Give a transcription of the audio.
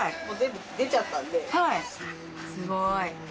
すごい。